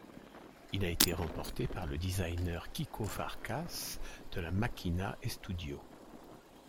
Il a été remporté par le designer Kiko Farkas, de la Máquina Estúdio.